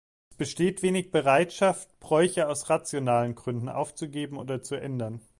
Es besteht wenig Bereitschaft, Bräuche aus rationalen Gründen aufzugeben oder zu ändern.